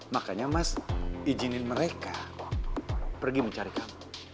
makanya mas izinin mereka pergi mencari kamu